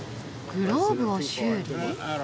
グローブを修理？